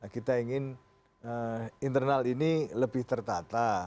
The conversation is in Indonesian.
kita ingin internal ini lebih tertata